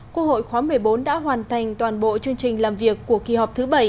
quốc hội khóa một mươi bốn đã hoàn thành toàn bộ chương trình làm việc của kỳ họp thứ bảy